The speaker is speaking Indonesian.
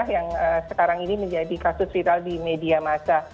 yang sekarang ini menjadi kasus viral di media masa